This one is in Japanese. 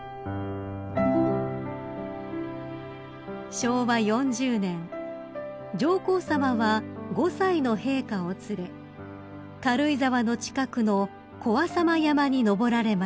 ［昭和４０年上皇さまは５歳の陛下を連れ軽井沢の近くの小浅間山に登られました］